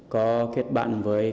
có kết bạn với